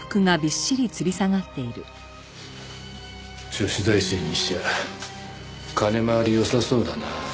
女子大生にしては金回り良さそうだな。